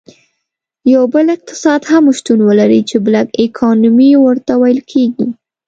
یو بل اقتصاد هم شتون ولري چې Black Economy ورته ویل کیږي.